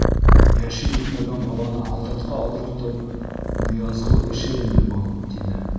Йәше етмәгән баланы һалдатҡа алдыртыу Ныязғол эше инде был, — тине.